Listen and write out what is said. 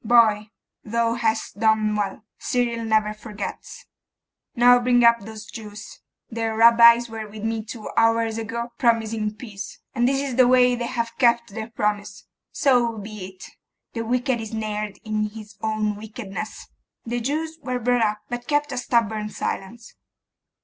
Boy, thou hast done well. Cyril never forgets. Now bring up those Jews. Their Rabbis were with me two hours ago promising peace: and this is the way they have kept their promise. So be it. The wicked is snared in his own wickedness.' The Jews were brought in, but kept a stubborn silence.